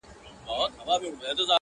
څوك به بولي له اټكه تر مالانه؛